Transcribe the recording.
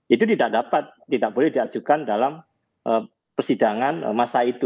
itu tidak dapat tidak boleh diajukan dalam persidangan masa itu